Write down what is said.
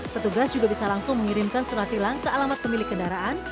petugas juga bisa langsung mengirimkan surat tilang ke alamat pemilik kendaraan